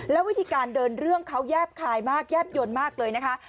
แล้ววิธีการเดินเรื่องเขาแยบคายมากแยบยนต์มากเลยนะคะ